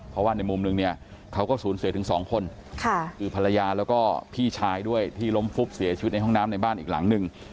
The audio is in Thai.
เพราะว่าในมุมนึงเนี่ยเขาก็สูญเสียถึงสองคนคือภรรยาแล้วก็พี่ชายด้วยที่ล้มฟุบเสียชีวิตในห้องน้ำในบ้านอีกหลังหนึ่ง